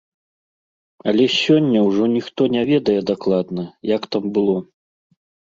Але сёння ўжо ніхто не ведае дакладна, як там было.